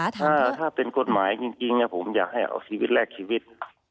ถ้าเป็นกฎหมายจริงผมอยากให้เอาชีวิตแรกชีวิต